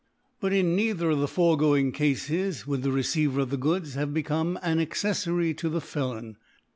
But in neither of the foregoing Cafes would the Receiver of the Goods have be come an Acceflfary to the Felon.